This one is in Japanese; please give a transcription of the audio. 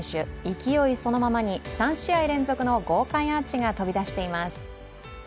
勢いそのままに３試合連続の豪快アーチが飛び出しています。